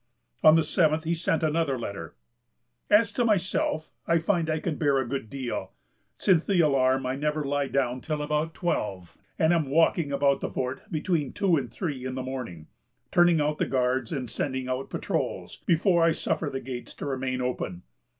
On the seventh, he sent another letter.... "As to myself, I find I can bear a good deal. Since the alarm I never lie down till about twelve, and am walking about the fort between two and three in the morning, turning out the guards and sending out patrols, before I suffer the gates to remain open....